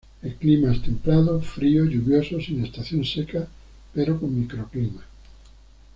El clima es templado frío lluvioso sin estación seca, pero con microclimas.